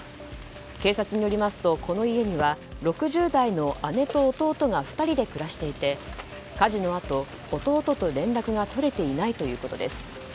警察によりますとこの家には、６０代の姉と弟が２人で暮らしていて火事のあと弟と連絡が取れていないということです。